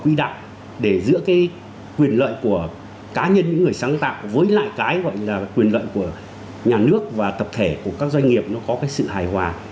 quy định để giữa cái quyền lợi của cá nhân những người sáng tạo với lại cái gọi là quyền lợi của nhà nước và tập thể của các doanh nghiệp nó có cái sự hài hòa